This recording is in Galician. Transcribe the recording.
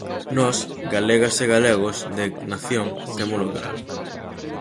Nós, galegas e galegos de Nación, témolo claro.